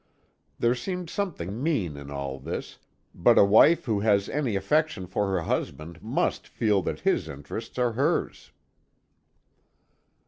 There seemed something mean in all this, but a wife who has any affection for her husband, must feel that his interests are hers.